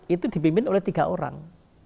itu dipimpin oleh tiga orang